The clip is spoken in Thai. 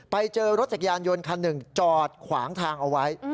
ไปเจอรถจักรยานยนต์คันหนึ่งจอดขวางทางเอาไว้